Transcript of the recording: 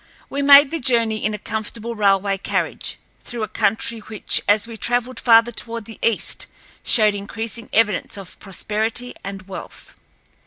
We made the journey in a comfortable railway carriage, through a country which, as we traveled farther toward the east, showed increasing evidence of prosperity and wealth.